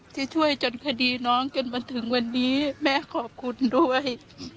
ที่ช่วยจนคดีน้องจนมาถึงวันนี้แม่ขอบคุณด้วย